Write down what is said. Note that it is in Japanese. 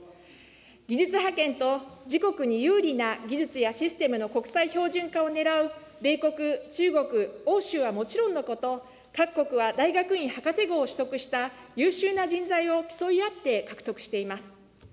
技術覇権と、自国に有利な技術やシステムの国際標準化をねらう米国、中国、欧州はもちろんのこと、各国は大学院博士号を取得をした優秀な人材を競い合って獲得しています。